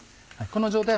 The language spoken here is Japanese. この状態